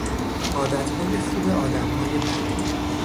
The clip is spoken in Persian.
عادتهای خوب آدمهای بد